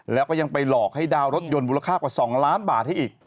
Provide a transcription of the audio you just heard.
แล้วก็ยังไปหลอกให้ดาวนรถยนต์มูลค่ากว่า๒ล้านบาทให้อีก